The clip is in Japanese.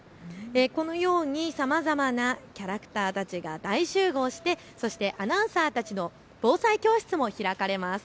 このようにさまざまなキャラクターたちが大集合してそしてアナウンサーたちの防災教室も開かれます。